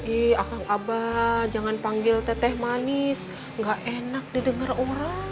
ih aku ngabah jangan panggil teteh manis gak enak didengar orang